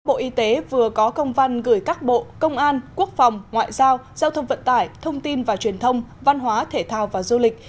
bộ y tế vừa có công văn gửi các bộ công an quốc phòng ngoại giao giao thông vận tải thông tin và truyền thông văn hóa thể thao và du lịch